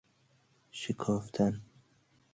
شکافتن